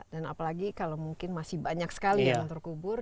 dan apalagi kalau mungkin masih banyak sekali yang terkubur